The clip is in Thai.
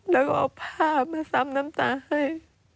แล้วก็เอาผ้ามาซ้ำน้ำตาให้